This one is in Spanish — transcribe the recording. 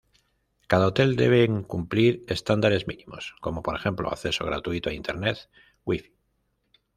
Cada hotel deben cumplir estándares mínimos, como por ejemplo acceso gratuito a internet Wi-Fi.